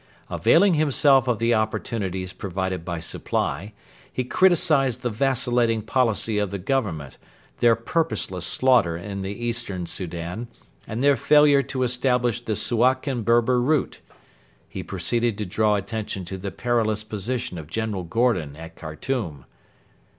Availing himself of the opportunities provided by Supply, he criticised the vacillating policy of the Government, their purposeless slaughter in the Eastern Soudan, and their failure to establish the Suakin Berber route. He proceeded to draw attention to the perilous position of General Gordon at Khartoum.